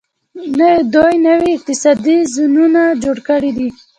دوی نوي اقتصادي زونونه جوړ کړي دي.